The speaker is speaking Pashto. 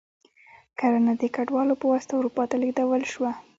کرنه د کډوالو په واسطه اروپا ته ولېږدول شوه.